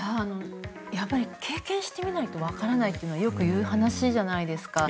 やっぱり経験してみないとわからないというのはよくいう話じゃないですか。